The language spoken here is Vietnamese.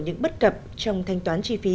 những bất cập trong thanh toán chi phí